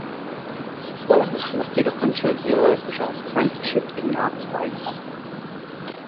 Po jeho smrti dokončil dílo jeho žák František Ignác Weiss.